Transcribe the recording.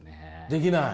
できない？